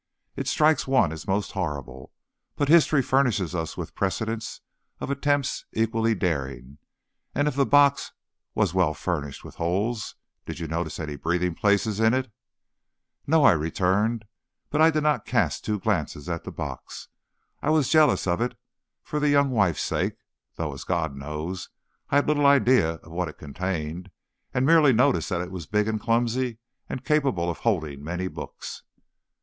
It strikes one as most horrible, but history furnishes us with precedents of attempts equally daring, and if the box was well furnished with holes did you notice any breathing places in it?" "No," I returned; "but I did not cast two glances at the box. I was jealous of it, for the young wife's sake, though, as God knows, I had little idea of what it contained, and merely noticed that it was big and clumsy, and capable of holding many books."